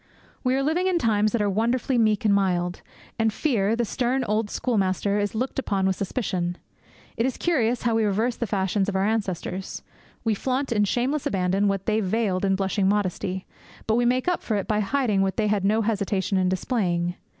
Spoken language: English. We are living in times that are wonderfully meek and mild; and Fear, the stern old schoolmaster, is looked upon with suspicion. It is curious how we reverse the fashions of our ancestors. We flaunt in shameless abandon what they veiled in blushing modesty; but we make up for it by hiding what they had no hesitation in displaying.